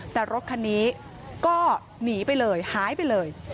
แต่รถคันนี้ก็หนีไปเลยหายไปเลย